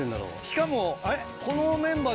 しかも。